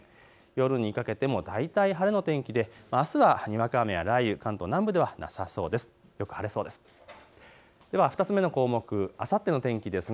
夜にかけても大体、晴れの天気であすには、にわか雨や雷雨、関東はなさそうです。